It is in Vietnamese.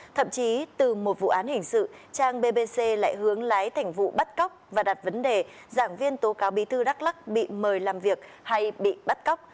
thậm chí từ một vụ án hình sự trang bbc lại hướng lái thành vụ bắt cóc và đặt vấn đề giảng viên tố cáo bí thư đắk lắc bị mời làm việc hay bị bắt cóc